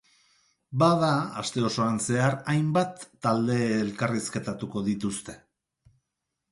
Bada, aste osoan zehar, hainbat talde elkarrizketatuko dituzte.